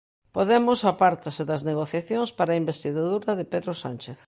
Podemos apártase das negociacións para a investidura de Pedro Sánchez.